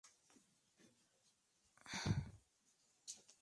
La belleza de Catalina Carlota no pasó desapercibida.